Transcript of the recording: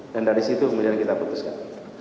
dan dari situ kemudian kita putuskan